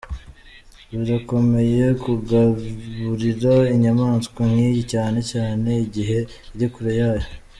Birakomeye kugaburira inyamaswa nk’iyi cyane cyane igihe uri kure yayo".